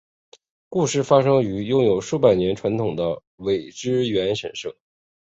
故事发生于拥有数百年传统的苇之原神社。